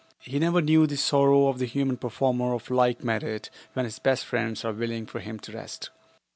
He never knew the sorrow of the human performer of like merit when his best friends are willing for him to rest.